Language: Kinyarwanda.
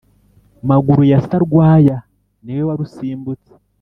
_maguru ya sarwaya ni we warusimbutse